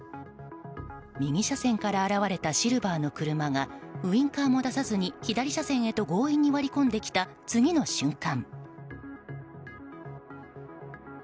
右車線から現れたシルバーの車がウィンカーも出さずに左車線へと強引に割り込んできた次の瞬間。